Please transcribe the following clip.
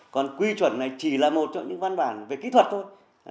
còn quy chuẩn này chỉ là một trong những văn bản về kỹ thuật thôi